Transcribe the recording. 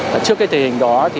trước cái thể hình đó thì